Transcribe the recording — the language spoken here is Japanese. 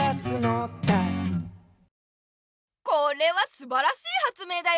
これはすばらしいはつ明だよ！